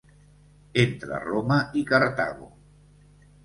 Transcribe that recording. Entre Roma i Cartago.